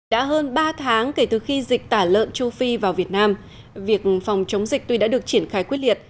đã hơn ba tháng kể từ khi dịch tả lợn châu phi vào việt nam việc phòng chống dịch tuy đã được triển khai quyết liệt